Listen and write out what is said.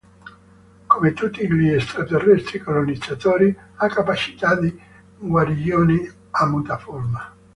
Come tutti gli extraterrestri colonizzatori, ha capacità di guarigione e mutaforma.